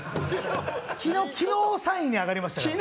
昨日３位に上がりましたから。